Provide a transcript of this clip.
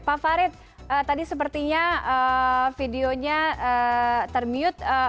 pak farid tadi sepertinya videonya termute